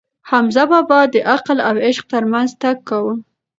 حمزه بابا د عقل او عشق ترمنځ تګ کاوه.